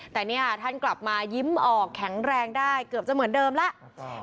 แต่เนี่ยท่านกลับมายิ้มออกแข็งแรงได้เกือบจะเหมือนเดิมแล้ว